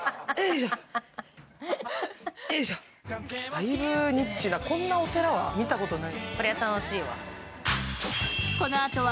大分ニッチなこんなお寺は見たことない。